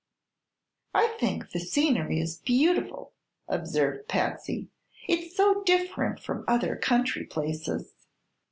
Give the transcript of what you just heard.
"I think the scenery is beautiful," observed Patsy. "It's so different from other country places."